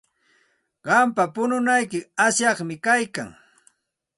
Qampa pununayki asyaqmi kaykan.